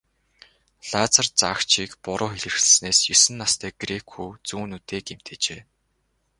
Лазер заагчийг буруу хэрэглэснээс есөн настай грек хүү зүүн нүдээ гэмтээжээ.